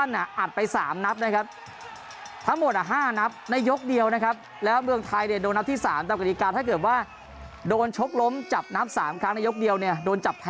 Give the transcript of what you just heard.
ถ้าอยากกัดกล่องก็ก็ทันต่อมานะครับ